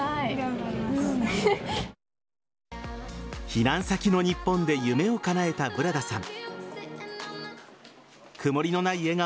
避難先の日本で夢をかなえたブラダさん。